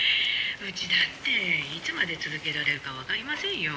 「うちだっていつまで続けられるかわかりませんよ」